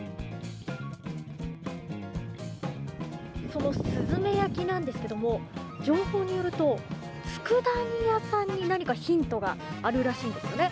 そのすずめ焼きなんですけども情報によると、つくだ煮屋さんに何かヒントがあるらしいんですよね。